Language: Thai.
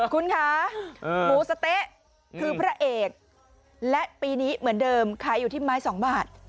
คุณคะหมูสะเต๊ะคือพระเอกและปีนี้เหมือนเดิมขายอยู่ที่ไม้๒บาท